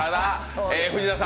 藤田さん